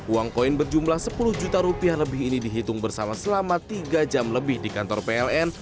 uang koin berjumlah sepuluh juta rupiah lebih ini dihitung bersama selama tiga jam lebih di kantor pln